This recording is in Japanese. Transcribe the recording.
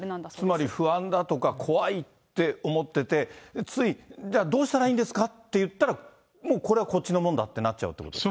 つまり不安だとか、怖いって思ってて、つい、じゃあどうしたらいいんですかって言ったら、もうこれはこっちのもんだってなっちゃうってこと。